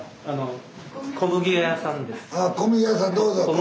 あ小麦屋さんどうぞ。